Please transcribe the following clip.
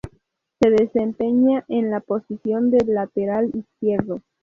Se desempeña en la posición de lateral izquierdo.